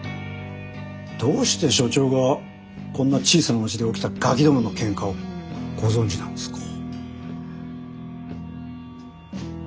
どうして署長がこんな小さな町で起きたガキどものケンカをご存じなんですか？